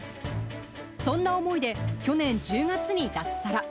そんな思いで去年１０月に脱サラ。